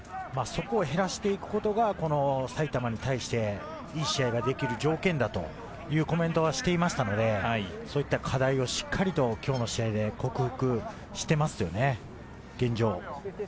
そこを減らしていくことが、この埼玉に対していい試合ができる条件だというコメントはしていましたので、そういった課題をしっかりと今日の試合で克服していますよね現状。